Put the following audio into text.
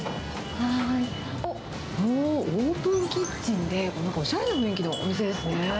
おっ、オープンキッチンで、なんかおしゃれな雰囲気のお店ですね。